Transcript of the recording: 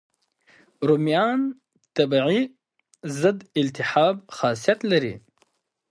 رومیان طبیعي ضد التهاب خاصیت لري.